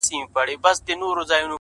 د يوسفي حُسن شروع ته سرگردانه وو-